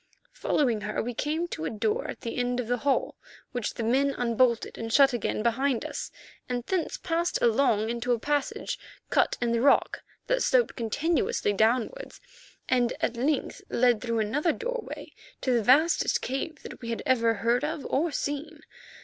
Following her, we came to a door at the end of the hall which the men unbolted and shut again behind us, and thence passed into a long passage cut in the rock, that sloped continuously downwards and at length led through another doorway to the vastest cave that we had ever heard of or seen.